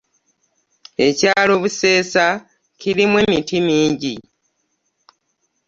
Ekyalo buseesa kirimu emiti mingi.